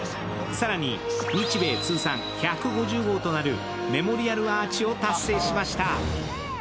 更に日米通算１５０号となるメモリアルアーチを達成しました。